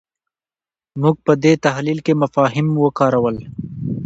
موږ په دې تحلیل کې مفاهیم وکارول.